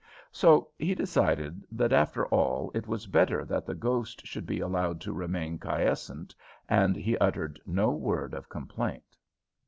So he decided that, after all, it was better that the ghost should be allowed to remain quiescent, and he uttered no word of complaint.